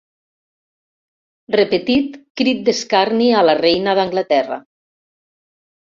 Repetit, crit d'escarni a la reina d'Anglaterra.